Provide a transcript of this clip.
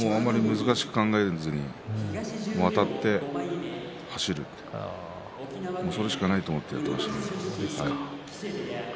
難しく考えずにあたって走るそれしかないと思っていました。